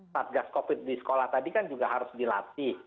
satgas covid di sekolah tadi kan juga harus dilatih